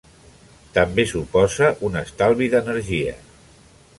També suposa un estalvi d'energia.